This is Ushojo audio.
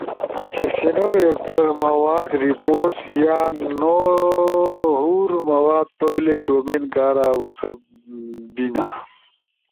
چی سینو ویب مواد، رپورٹس یا نور مواد پبلک ڈومین کارا وقف بینا۔